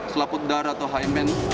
selaput darah atau hymen